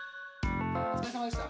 おつかれさまでした。